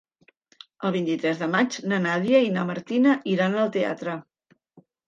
El vint-i-tres de maig na Nàdia i na Martina iran al teatre.